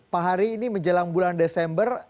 pak hari ini menjelang bulan desember